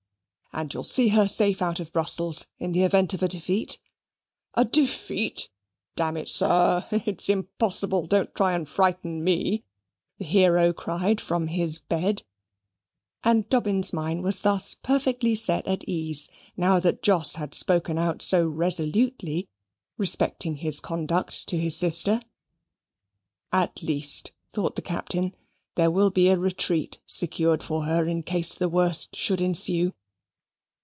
"And you'll see her safe out of Brussels in the event of a defeat?" "A defeat! D it, sir, it's impossible. Don't try and frighten ME," the hero cried from his bed; and Dobbin's mind was thus perfectly set at ease now that Jos had spoken out so resolutely respecting his conduct to his sister. "At least," thought the Captain, "there will be a retreat secured for her in case the worst should ensue."